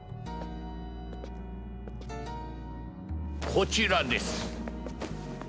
こちらです。